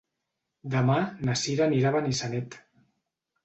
Demà na Cira anirà a Benissanet.